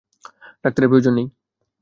ডাক্তারের প্রয়োজন নেই।